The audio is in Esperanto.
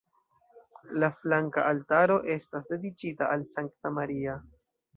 La flanka altaro estas dediĉita al Sankta Maria.